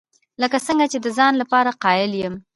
لکه څنګه چې د ځان لپاره قایل یم.